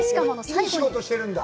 いい仕事してるんだ。